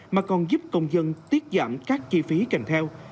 mà còn giúp công dân tiết giảm các chi phí kèm theo